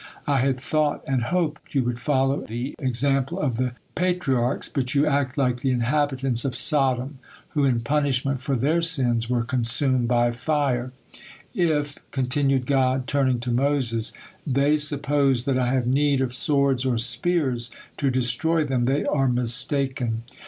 I had thought and hoped you would follow example of the Patriarchs, but you act like the inhabitants of Sodom, who in punishment for their sins were consumed by fire." "If," continued God, turning to Moses, "they suppose that I have need of swords or spears to destroy them, they are mistaken.